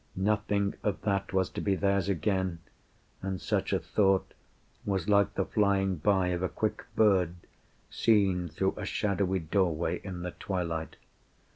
Nothing of that Was to be theirs again; and such a thought Was like the flying by of a quick bird Seen through a shadowy doorway in the twilight.